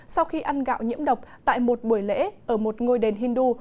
sau khi ăn gạo nhiễm độc tại một buổi lễ ở một ngôi đền hindu